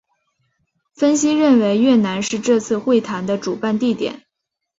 分析认为越南是这次会谈的主办地点。